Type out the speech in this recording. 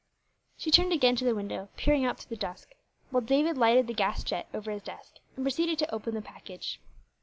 She turned again to the window, peering out through the dusk, while David lighted the gas jet over his desk, and proceeded to open the package.